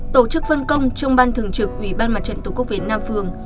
tổ chức phân công trong ban thường trực ubndtq việt nam phường